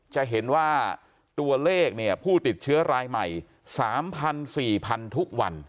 จะเห็นว่าตัวเลขเนี้ยผู้ติดเชื้อรายใหม่สามพันสี่พันทุกวัน